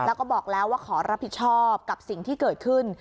แล้วก็บอกแล้วว่าขอรับผิดชอบกับสิ่งที่เกิดขึ้น